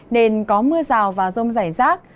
nên có mưa rào và rông rải rác